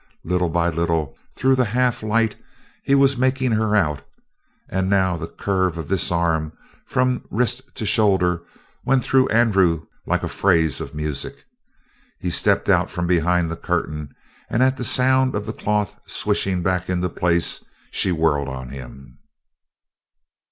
Little by little, through the half light, he was making her out and now the curve of this arm, from wrist to shoulder, went through Andrew like a phrase of music. He stepped out from behind the curtain, and, at the sound of the cloth swishing back into place, she whirled on him.